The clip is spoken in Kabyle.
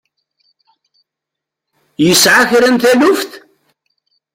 Yesɛa kra n taluft?